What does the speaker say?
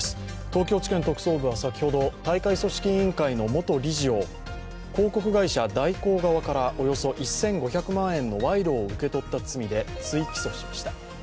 東京地検特捜部は先ほど大会組織委員会の元理事を広告会社大広側からおよそ１５００万円の賄賂を受け取った罪で追起訴しました。